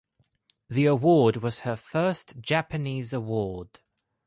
The award was her first Japanese award.